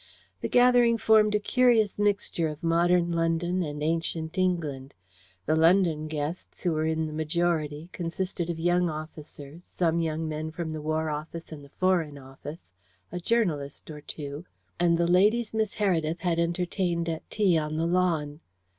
The gathering formed a curious mixture of modern London and ancient England. The London guests, who were in the majority, consisted of young officers, some young men from the War Office and the Foreign Office, a journalist or two, and the ladies Miss Heredith had entertained at tea on the lawn.